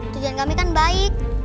tujuan kami kan baik